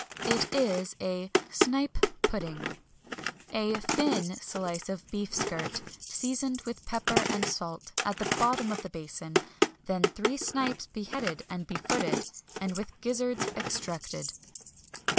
It is a Snipe Pudding. A thin slice of beef skirt, seasoned with pepper and salt, at the bottom of the basin; then three snipes beheaded and befooted, and with gizzards extracted.